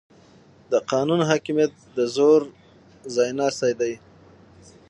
د قانون حاکمیت د زور ځای ناستی دی